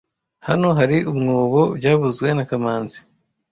Hano hari umwobo byavuzwe na kamanzi